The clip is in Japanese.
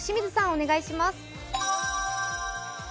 お願いします。